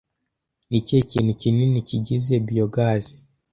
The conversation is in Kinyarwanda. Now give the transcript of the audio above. Ni ikihe kintu kinini kigize Biyogazi